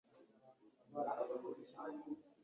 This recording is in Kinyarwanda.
igihe wakatazaga mu butayu